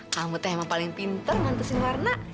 kamu tuh emang paling pinter nantesin warna